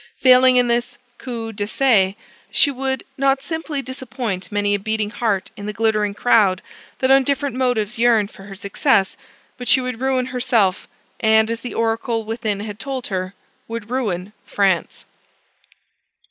Failing in this coup d'essai, she would not simply disappoint many a beating heart in the glittering crowd that on different motives yearned for her success, but she would ruin herself and, as the oracle within had told her, would ruin France.